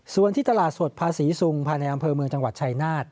ส่วนที่ตลาดสดภาษีซุงภายในอำเภอเมืองจังหวัดชายนาฏ